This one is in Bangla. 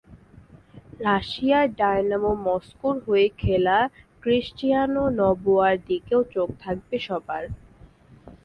রাশিয়ার ডায়নামো মস্কোর হয়ে খেলা ক্রিশ্চিয়ানো নবোয়ার দিকেও চোখ থাকবে সবার।